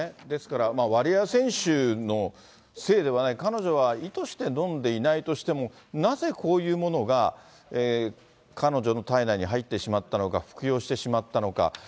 ですから、ワリエワ選手のせいではない、彼女は意図して飲んでいないとしてもなぜこういうものが、彼女の体内に入ってしまったのか、服用してしまったのか。